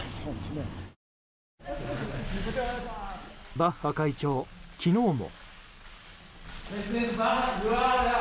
バッハ会長、昨日も。